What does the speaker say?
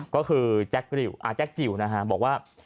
ก็คือแจ็คจิวบอกว่า